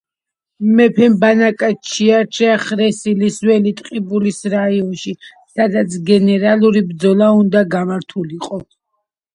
მეფემ ბანაკად შეარჩია ხრესილის ველი ტყიბულის რაიონში სადაც გენერალური ბრძოლა უნდა გამართულიყო.